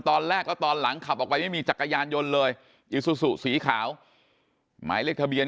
ตอนแรกแล้วตอนหลังขับออกไปไม่มีจักรยานยนต์เลยอิซูซูสีขาวหมายเลขทะเบียน